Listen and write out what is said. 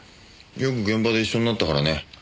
よく現場で一緒になったからね。